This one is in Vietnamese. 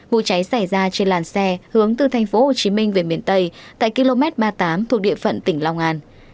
vụ cháy xảy ra trên làn xe hướng từ tp hcm về miền tây tại km ba mươi tám thuộc địa phận tỉnh long an